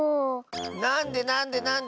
なんでなんでなんで！